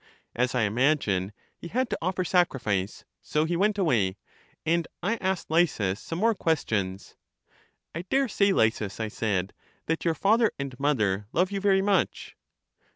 As I imagine, he had to offer sacrifice. So he went away, and I asked Lysis some more questions. I dare say. Lysis, I said, that your father and mother love you very much.